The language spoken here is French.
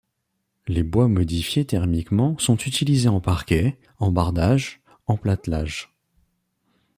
Les bois modifiés thermiquement sont utilisés en parquet, en bardage, en platelage.